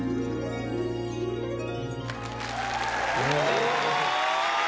すごい！